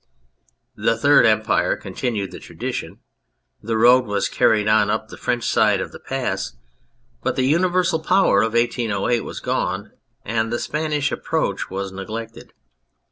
The Third Empire continued the tradition ; the road was carried up on the French side of the pass, but the universal power of 1808 was gone and the Spanish approach was neglected.